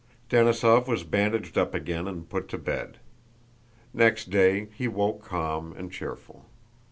Denísov was bandaged up again and put to bed. Next day he woke calm and cheerful.